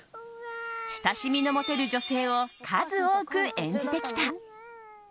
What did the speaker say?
親しみの持てる女性を数多く演じてきた。